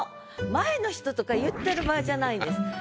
「前の人」とか言ってる場合じゃないんです。